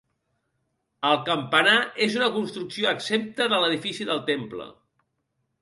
El campanar és una construcció exempta de l'edifici del temple.